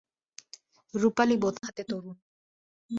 রুপালি বোতাম হাতে তরুণ।